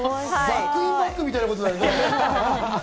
バッグインバッグみたいなもんだよね。